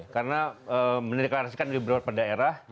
karena menilai kelasikan beberapa daerah